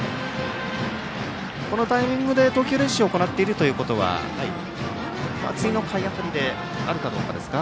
このタイミングで投球練習を行っているということは次の回辺りであるかどうかですか。